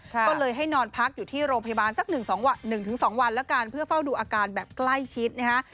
ก็เลยให้นอนพักอยู่ที่โรงพยาบาลสัก๑๒วันแล้วกันเพื่อเฝ้าดูอาการแบบใกล้ชิดนะฮะ